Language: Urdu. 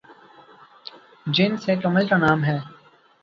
جنس ایک عمل کا نام ہے